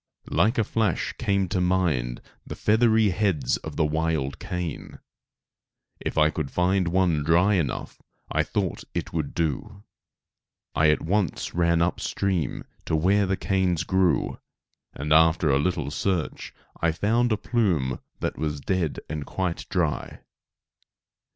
Like a flash came to my mind the feathery heads of the wild cane. If I could find one dry enough I thought it would do. I at once ran up stream to where the canes grew, and after a little search I found a plume that was dead and quite dry.